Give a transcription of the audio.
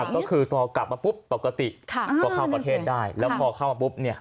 ก็คือต่อกากมาปุ๊บปกติค่ะก็เผาประเทศได้แล้วพอเข้ามาปุ๊บเนี่ย